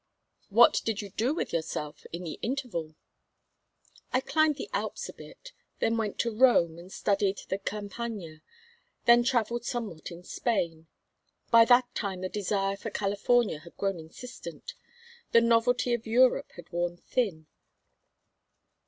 "What did you do with yourself in the interval?" "I climbed in the Alps a bit, then went to Rome and studied the Campagna, then travelled somewhat in Spain. By that time the desire for California had grown insistent. The novelty of Europe had worn thin.